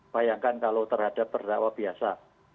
bayangkan kalau terhadap terdakwa biasa